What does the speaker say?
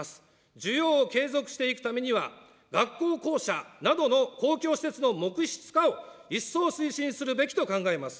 需要を継続していくためには、学校校舎などの公共施設の木質化を一層推進するべきと考えます。